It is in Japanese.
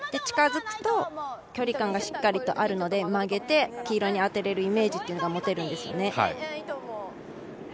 近づくと、距離感がしっかりとあるので、曲げて黄色に当てれるイメージが持てるんですよね。